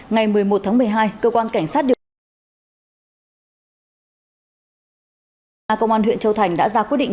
ngày một mươi một tháng một mươi hai cơ quan cảnh sát điều tra công an huyện châu thành đã ra quyết định